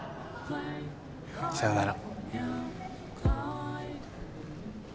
さよなら。